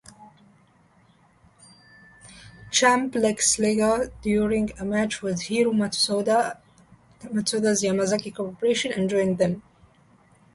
Champ Lex Luger during a match with Hiro Matsuda's "Yamazaki Corporation" and joined them.